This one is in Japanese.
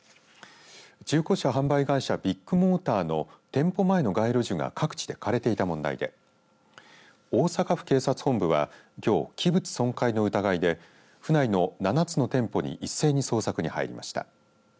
中古車販売会社ビッグモーターの店舗前の街路樹が各地で枯れていた問題で大阪府警察本部はきょう器物損壊の疑いで府内の７つの店舗に一斉に捜索に入りました。